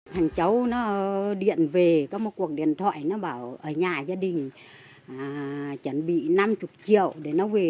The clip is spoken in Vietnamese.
thằng cháu nó điện về có một cuộc điện thoại nó bảo ở nhà gia đình chuẩn bị năm mươi triệu để nó về